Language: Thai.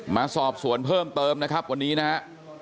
มาสอบสวนเพิ่มเติมนะครับวันนี้นะฮะ